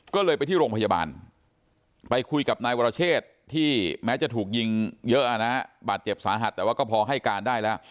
ก็เลยไปที่โรงพยาบาลไปคุยกับนายวรเชษที่แม้จะถูกยิงเยอะนะบาดเจ็บสาหัสแต่ว่าก็พอให้การได้แล้ว